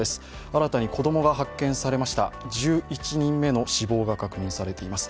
新たに子供が発見されました、１１人目の死亡が確認されています。